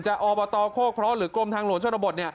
จะอบตโฆกพระหรือกรมทางโหลชนบท